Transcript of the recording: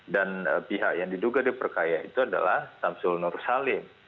dan pihak yang diduga diperkaya itu adalah tamsul nur salim